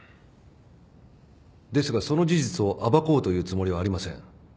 ですがその事実を暴こうというつもりはありません。